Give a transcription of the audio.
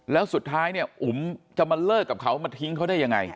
แล้วสุดท้ายเนี่ยอุ๋มจะมาเลิกกับเขามาทิ้งเขาได้ยังไง